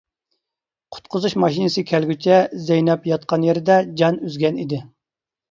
قۇتقۇزۇش ماشىنىسى كەلگۈچە زەينەپ ياتقان يېرىدە جان ئۈزگەن ئىدى.